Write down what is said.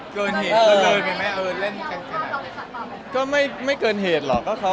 เขาก็ไม่เคยเกินเทศ